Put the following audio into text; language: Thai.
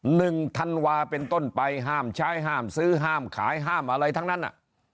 หนึ่งธันวาเป็นต้นไปห้ามใช้ห้ามซื้อห้ามขายห้ามอะไรทั้งนั้นอ่ะ